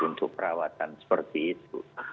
untuk perawatan seperti itu